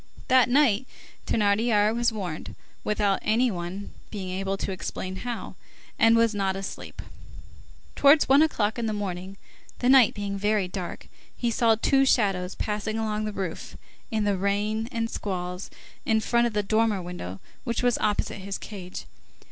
That night, Thénardier was warned, without any one being able to explain how, and was not asleep. Towards one o'clock in the morning, the night being very dark, he saw two shadows pass along the roof, in the rain and squalls, in front of the dormer window which was opposite his cage.